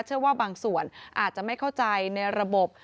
เชื่อว่าบางส่วนอาจจะไม่เข้าใจในระบบ